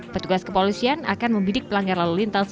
petugas kepolisian akan membidik pelanggar lalu lintas